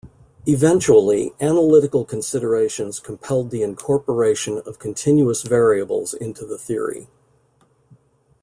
Eventually, analytical considerations compelled the incorporation of continuous variables into the theory.